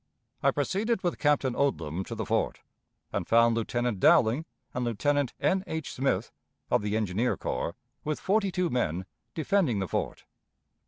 I proceeded with Captain Odlum to the fort, and found Lieutenant Dowling and Lieutenant N. H. Smith, of the engineer corps, with forty two men, defending the fort.